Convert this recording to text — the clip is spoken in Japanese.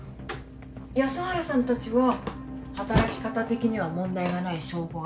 安原さんたちは働き方的には問題がない証拠があるって。